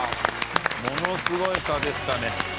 ものすごい差でしたね。